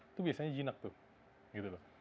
itu biasanya jinak tuh